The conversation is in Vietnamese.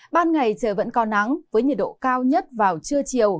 ban ngày trời vẫn có nắng với nhiệt độ cao nhất vào trưa chiều